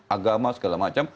agama segala macam